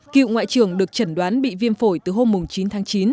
cựu ngoại trưởng được chẩn đoán bị viêm phổi từ hôm chín tháng chín